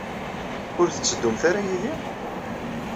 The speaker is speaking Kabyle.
Ur tetteddumt ara yid-i?